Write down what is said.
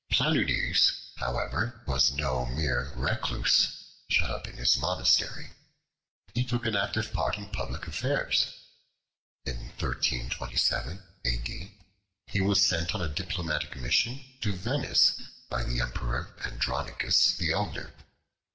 Planudes, however, was no mere recluse, shut up in his monastery. He took an active part in public affairs. In 1327 A.D. he was sent on a diplomatic mission to Venice by the Emperor Andronicus the Elder.